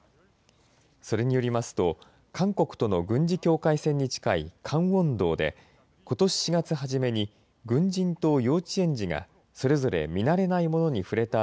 それによりますと韓国との軍事境界線に近いカンウォン道でことし４月初めに軍人と幼稚園児がそれぞれ見慣れない物に触れた